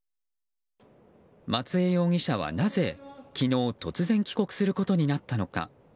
松江容疑者はなぜ昨日、突然帰国することになったのか。